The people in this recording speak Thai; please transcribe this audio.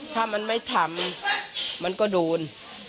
ถ้ามันไม่ทำมันก็โดน